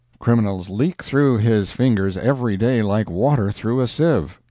Criminals leak through his fingers every day like water through a sieve.